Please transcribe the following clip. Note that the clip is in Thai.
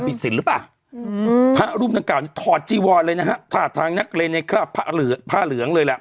นี่ถามจริงเหิล